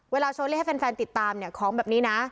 โชว์เลขให้แฟนติดตามเนี่ยของแบบนี้นะ